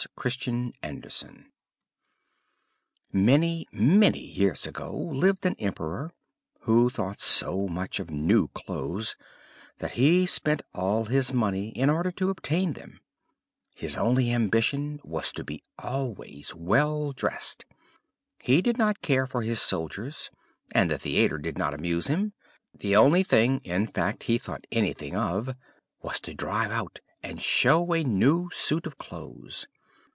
THE EMPEROR'S NEW SUIT Many, many years ago lived an emperor, who thought so much of new clothes that he spent all his money in order to obtain them; his only ambition was to be always well dressed. He did not care for his soldiers, and the theatre did not amuse him; the only thing, in fact, he thought anything of was to drive out and show a new suit of clothes.